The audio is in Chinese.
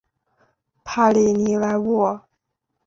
帕里尼莱沃。